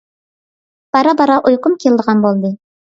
بارا-بارا ئۇيقۇم كېلىدىغان بولدى.